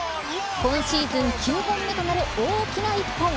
今シーズン９本目となる大きな１本。